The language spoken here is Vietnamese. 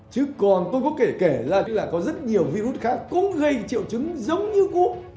chứ còn tôi có thể kể là có rất nhiều virus khác cũng gây triệu chứng giống như cúm